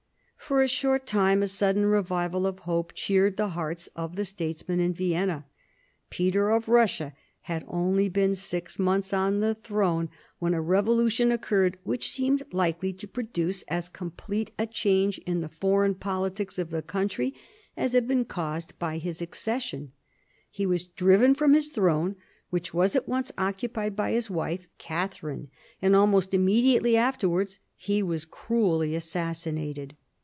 For a short time a sudden revival of hope cheered the hearts of the statesmen in Vienna. Peter of Eussia had only been six months on the throne when a revolution occurred which seemed likely to produce as complete a change in the foreign politics of the country as had been caused by his accession. He was driven from his throne, which was at once occupied by his wife Catherine; and almost immediately after wards he was cruelly assassinated.